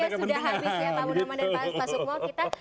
durasinya sudah habis ya pak munamman dan pak sukmo